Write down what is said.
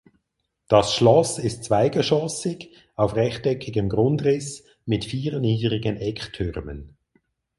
Das Schloss ist zweigeschossig auf rechteckigem Grundriss mit vier niedrigen Ecktürmen.